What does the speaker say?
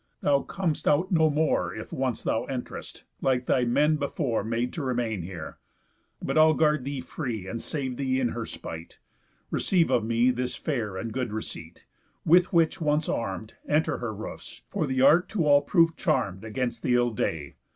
Thou com'st out no more, If once thou ent'rest, like thy men before Made to remain here. But I'll guard thee free, And save thee in her spite. Receive of me This fair and good receipt; with which once arm'd, Enter her roofs, for th' art to all proof charm'd Against the ill day.